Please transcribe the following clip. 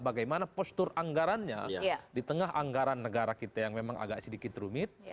bagaimana postur anggarannya di tengah anggaran negara kita yang memang agak sedikit rumit